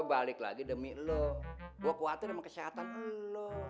balik lagi demi lo gue khawatir sama kesehatan lo